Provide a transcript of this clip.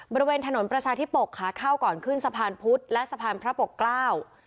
บริเวณถนนประชาธิปกขาเข้าก่อนขึ้นสะพานพุธและสะพานพระปกเกล้า